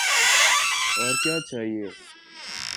اور کیا چاہیے؟